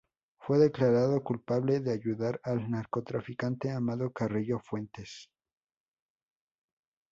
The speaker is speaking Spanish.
Fue declarado culpable de ayudar al narcotraficante Amado Carrillo Fuentes.